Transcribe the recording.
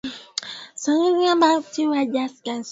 zungumzia machafuko ya mwaka elfu mbili na saba